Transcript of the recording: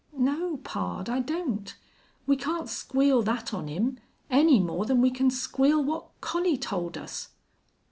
"No, pard, I don't. We can't squeal that on him, any more than we can squeal what Collie told us."